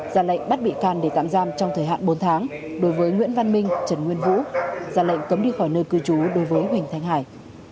ra lệnh bắt bị can để tạm giam trong thời hạn bốn tháng đối với nguyễn văn minh trần nguyên vũ ra lệnh cấm đi khỏi nơi cư trú đối với huỳnh thanh hải